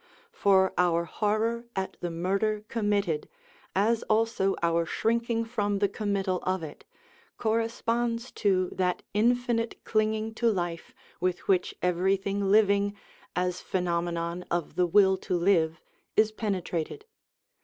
For our horror at the murder committed, as also our shrinking from the committal of it, corresponds to that infinite clinging to life with which everything living, as phenomenon of the will to live, is penetrated.